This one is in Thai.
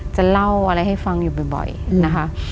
จะเล่าอะไรให้ฟังอยู่บ่อยนะคะ